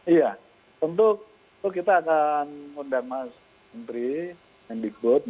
iya untuk itu kita akan mengundang mas menteri yang dikut mas nadiem